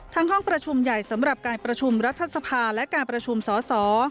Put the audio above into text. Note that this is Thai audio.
ห้องประชุมใหญ่สำหรับการประชุมรัฐสภาและการประชุมสอสอ